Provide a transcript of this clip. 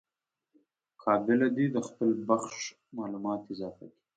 قابله دي د خپل بخش معلومات اضافه کي.